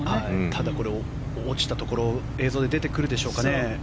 ただ、落ちたところ映像で出てくるでしょうか。